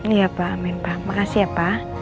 iya pak amin pak makasih ya pak